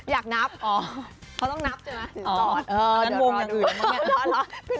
อยากนับเขาต้องนับใช่ไหมสินสอด